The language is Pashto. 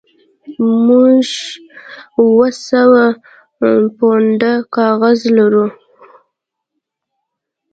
موږ اوه سوه پونډه کاغذ لرو